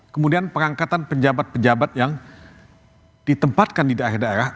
kemudian pengangkatan penjabat pejabat yang ditempatkan di daerah daerah